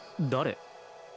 誰？